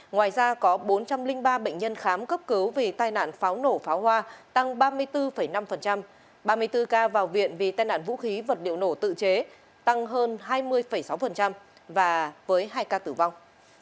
ngoài ra có bốn trăm linh ba bệnh nhân khám cấp cứu vì tai nạn pháo nổ pháo hoa tăng ba mươi bốn năm ba mươi bốn ca vào viện vì tai nạn vũ khí vật liệu nổ tự chế tăng hơn hai mươi sáu và với hai ca tử vong